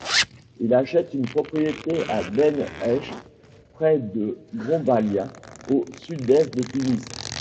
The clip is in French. Il achète une propriété à Ben-Aïech, près de Grombalia, au sud-est de Tunis.